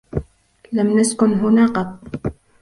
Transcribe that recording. لم نسكن هنا قط.